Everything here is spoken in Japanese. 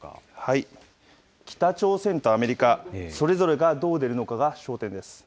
北朝鮮とアメリカ、それぞれがどう出るのかが焦点です。